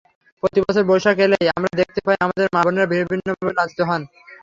প্রতিবছর বৈশাখ এলেই আমরা দেখতে পাই আমাদের মা-বোনেরা বিভিন্নভাবে লাঞ্ছিত হন।